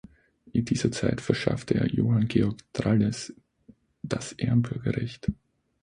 In dieser Zeit verschaffte er Johann Georg Tralles das Ehrenbürgerrecht.